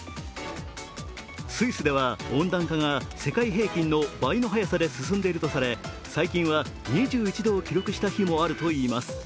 スイスでは温暖化が世界平均の倍の早さで進んでいるとされ最近は２１度を記録した日もあるといいます。